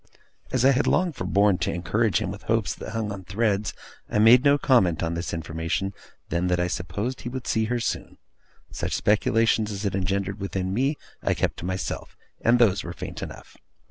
As I had long forborne to encourage him with hopes that hung on threads, I made no other comment on this information than that I supposed he would see her soon. Such speculations as it engendered within me I kept to myself, and those were faint enough.